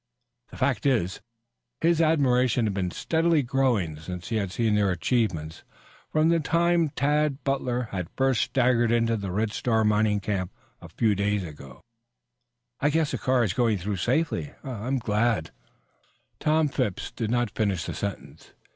The fact is, his admiration had been steadily growing since he had seen their achievements from the time Tad Butler had first staggered into the Red Star mining camp a few days before. "I guess the car is going through safely. I am glad " Tom Phipps did not finish the sentence.